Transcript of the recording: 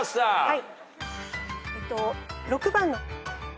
はい。